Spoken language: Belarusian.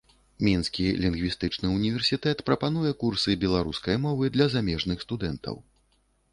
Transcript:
Мінскі лінгвістычны універсітэт прапануе курсы беларускай мовы для замежных студэнтаў.